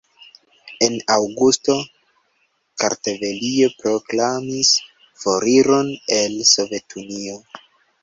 En aŭgusto Kartvelio proklamis foriron el Sovetunio.